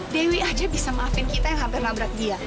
dewi aja bisa maafin kita yang hampir nabrak dia